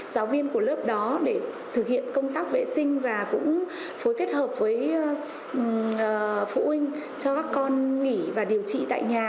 giáo viên của lớp đó để thực hiện công tác vệ sinh và cũng phối kết hợp với phụ huynh cho các con nghỉ và điều trị tại nhà